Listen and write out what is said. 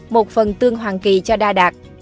một phần tương hoàng kỳ cho đa đạt